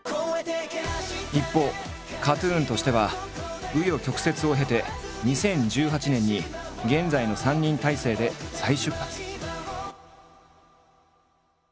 一方ＫＡＴ−ＴＵＮとしては紆余曲折を経て２０１８年に現在の３人体制で再出発。